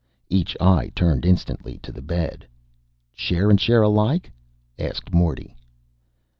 Each eye turned instantly to the bed. "Share and share alike?" asked Morty.